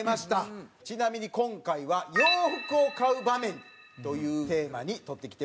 ちなみに今回は洋服を買う場面というテーマに撮ってきてもらいましたんで。